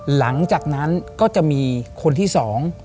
หลังจากนั้นก็จะมีคนที่สอง